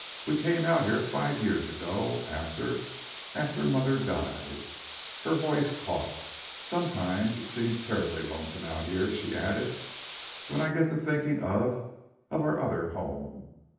We came out here five years ago after after mother died." Her voice caught. "Sometimes it seems terribly lonesome out here," she added; "when I get to thinking of of our other home.